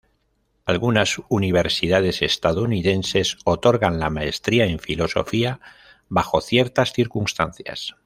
Algunas universidades estadounidenses otorgan la Maestría en Filosofía bajo ciertas circunstancias.